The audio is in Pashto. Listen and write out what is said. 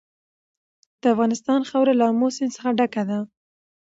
د افغانستان خاوره له آمو سیند څخه ډکه ده.